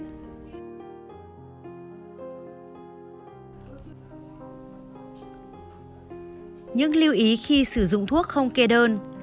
những lưu ý khi sử dụng thuốc không kê đơn